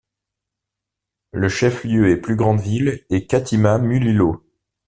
Le chef-lieu et plus grande ville est Katima Mulilo.